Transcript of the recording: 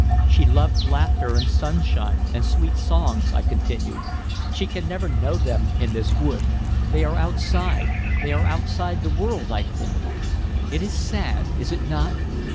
"She loved laughter and sunshine and sweet songs," I continued. "She can never know them in this wood. They are outside; they are outside the world, I think. It is sad, is it not?